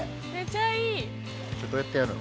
どうやってやるの？